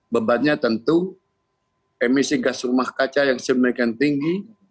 bebannya tentu emisi gas rumah kaca yang semikian tinggi